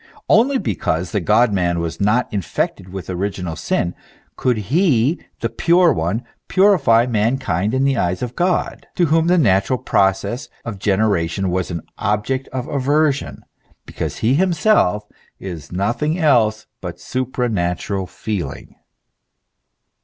Only because the God man was not infected with original sin, could he, the pure one, purify mankind in the eyes of God, to whom the natural process of generation was an object of aversion, because he himself is nothing else but supranatural feeling.